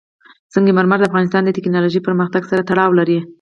سنگ مرمر د افغانستان د تکنالوژۍ پرمختګ سره تړاو لري.